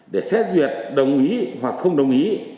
để xét duyệt đồng ý hoặc không đồng ý